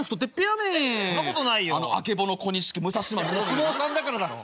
お相撲さんだからだろ。